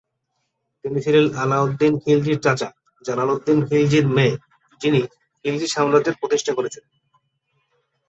তিনি ছিলেন আলাউদ্দিন খিলজির চাচা জালালউদ্দিন খিলজির মেয়ে, যিনি খিলজি সাম্রাজ্য প্রতিষ্ঠা করেছিলেন।